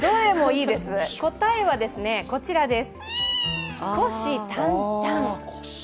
答えはこちらです。